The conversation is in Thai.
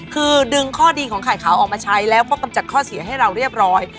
คือดึงข้อดีของไข่ขาวออกมาใช้แล้วก็กำจัดข้อเสียให้เราเรียบร้อย